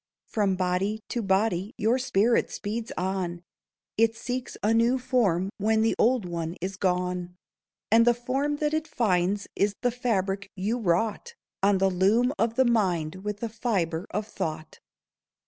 From body to body your spirit speeds on; It seeks a new form when the old one is gone; And the form that it finds is the fabric you wrought On the loom of the mind, with the fibre of thought.